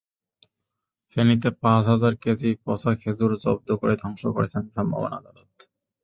ফেনীতে পাঁচ হাজার কেজি পচা খেজুর জব্দ করে ধ্বংস করেছেন ভ্রাম্যমাণ আদালত।